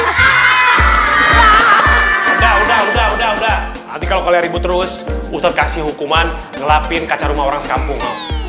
udah udah udah udah udah nanti kalau ribut terus ustadz kasih hukuman ngelapin kacarumah orang sekampung